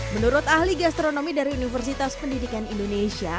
menurut ahli gastronomi dari universitas pendidikan indonesia